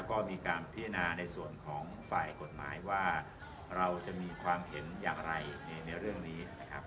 ก็มีการพิจารณาในส่วนของฝ่ายกฎหมายว่าเราจะมีความเห็นอย่างไรในเรื่องนี้นะครับ